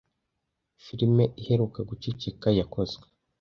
Filime iheruka guceceka yakozwe